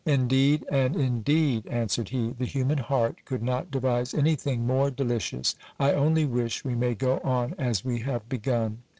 Indeed and in deed, answered he, the human heart could not devise anything more delicious ; I only wish we may go on as we have begun.